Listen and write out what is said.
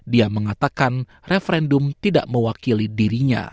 dia mengatakan referendum tidak mewakili dirinya